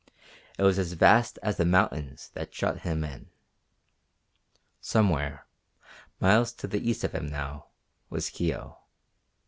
It was as vast as the mountains that shut him in. Somewhere, miles to the east of him now, was Kio.